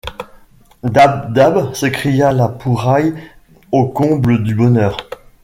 Dab! dab ! s’écria La Pouraille au comble du bonheur.